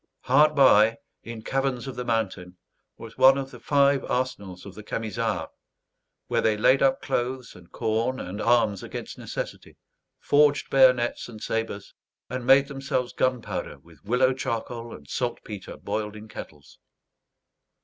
Hard by, in caverns of the mountain, was one of the five arsenals of the Camisards; where they laid up clothes and corn and arms against necessity, forged bayonets and sabres, and made themselves gunpowder with willow charcoal and saltpetre boiled in kettles.